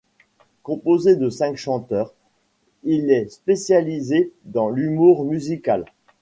Composé de cinq chanteurs, il est spécialisé dans l'humour musical.